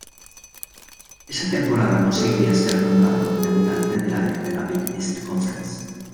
Esa temporada conseguiría ser nombrado debutante del año de la Big East Conference.